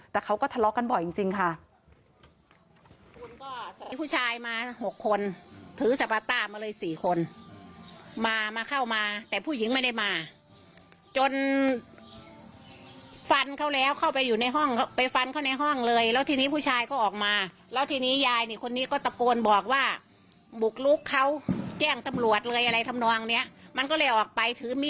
แต่เขาก็ทะเลาะกันบ่อยจริงค่ะ